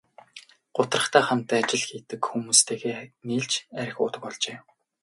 Гутрахдаа хамт ажил хийдэг хүмүүстэйгээ нийлж архи уудаг болжээ.